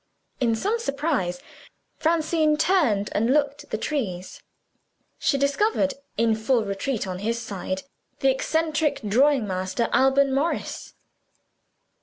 In some surprise, Francine turned, and looked at the trees. She discovered in full retreat, on his side the eccentric drawing master, Alban Morris.